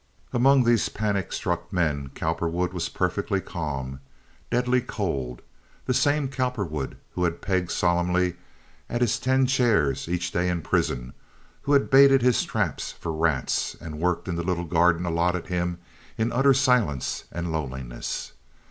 Among these panic struck men Cowperwood was perfectly calm, deadly cold, the same Cowperwood who had pegged solemnly at his ten chairs each day in prison, who had baited his traps for rats, and worked in the little garden allotted him in utter silence and loneliness.